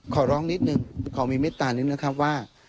ขอร้องนิดนึงขอมีเมตตานิดนึงนะครับว่า